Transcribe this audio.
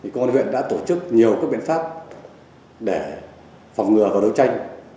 công an huyện đã tổ chức nhiều các biện pháp để phòng ngừa và đấu tranh